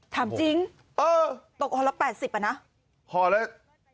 ถามจริงตกห่อละ๘๐อ่ะนะ